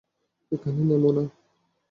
এখানে নেমো না।